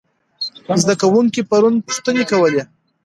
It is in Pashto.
زده کوونکي پرون پوښتنې کولې.